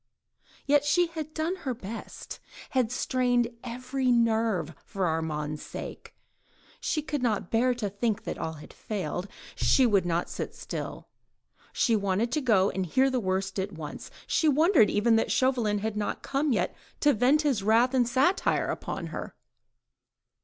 Yet she had done her best; had strained every nerve for Armand's sake. She could not bear to think that all had failed. She could not sit still; she wanted to go and hear the worst at once; she wondered even that Chauvelin had not come yet, to vent his wrath and satire upon her.